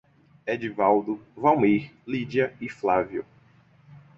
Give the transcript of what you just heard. Edvaldo, Valmir, Lídia e Flávio